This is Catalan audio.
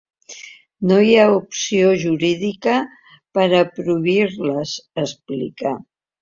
No hi ha opció jurídica per a prohibir-les, explica.